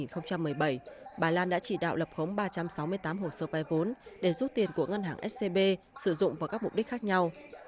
trương mỹ lan đã chỉ đạo lập khống chín trăm một mươi sáu hồ sơ vay vốn để rút tiền của ngân hàng scb sử dụng vào các mục đích khác nhau